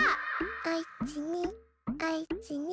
おいちにおいちに。